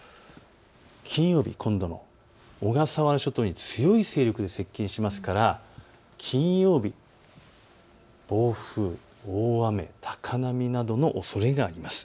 金曜日、小笠原諸島に強い勢力で接近しますから金曜日、暴風、大雨、高波などのおそれがあります。